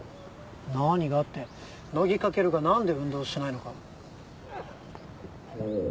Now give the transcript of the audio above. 「何が？」って乃木翔が何で運動しないのか。